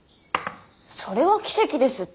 それは奇跡ですって。